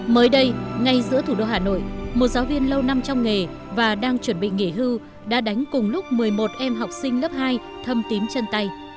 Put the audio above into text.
mới đây ngay giữa thủ đô hà nội một giáo viên lâu năm trong nghề và đang chuẩn bị nghỉ hưu đã đánh cùng lúc một mươi một em học sinh lớp hai thâm tím chân tay